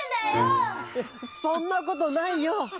そんなことないよ！